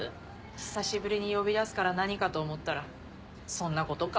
久しぶりに呼び出すから何かと思ったらそんなことか。